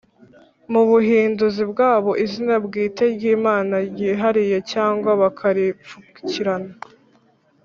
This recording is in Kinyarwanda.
mu buhinduzi bwabo izina bwite ry Imana ryihariye cyangwa bakaripfukirana